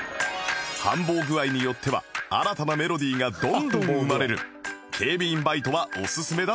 繁忙具合によっては新たなメロディーがどんどん生まれる警備員バイトはおすすめだそうです